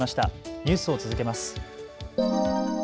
ニュースを続けます。